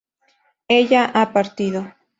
ella ha partido